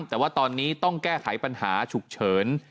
แต่ว่าตอนนี้ต้องแก้ไขปัญหาฉุกเฉิน